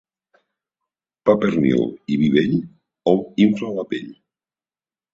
Pa, pernil i vi vell inflen la pell.